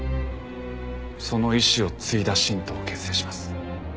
その意志を継いだ新党を結成します。